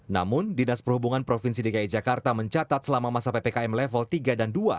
namun dinas perhubungan provinsi dki jakarta mencatat selama masa ppkm level tiga dan dua